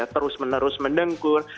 terus menerus mendengkur